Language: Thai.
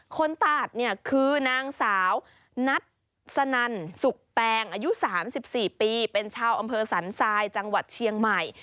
คนตัดเนี่ยคือนางสาวนัทสนันสุกแปงอายุ๓๔ปีเป็นชาวอำเภอสันทรายจังหวัดเชียงใหม่